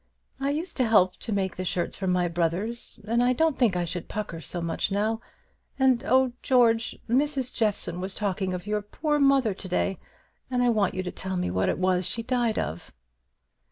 I used to help to make the shirts for my brothers, and I don't think I should pucker so much now; and, oh, George, Mrs. Jeffson was talking of your poor mother to day, and I want you to tell me what it was she died of."